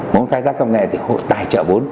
muốn khai tác công nghệ thì hội tài trợ